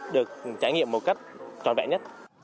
được trải nghiệm một cách toàn vẹn nhất